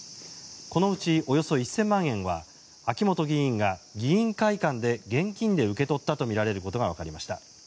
このうちおよそ１０００万円は秋本議員が議員会館で現金で受け取ったとみられることがわかりました。